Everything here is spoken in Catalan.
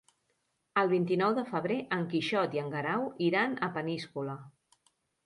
El vint-i-nou de febrer en Quixot i en Guerau iran a Peníscola.